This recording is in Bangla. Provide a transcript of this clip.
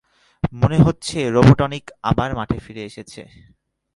মনে হচ্ছে রোবটনিক আবার মাঠে ফিরে এসেছে।